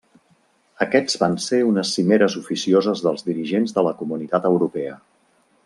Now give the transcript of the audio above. Aquests van ser unes cimeres oficioses dels dirigents de la Comunitat Europea.